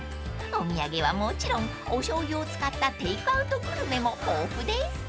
［お土産はもちろんおしょうゆを使ったテークアウトグルメも豊富です］